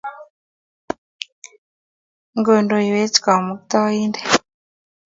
ngondoywech kamuktaindet